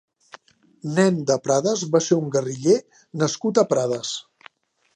Nen de Prades va ser un guerriller nascut a Prades.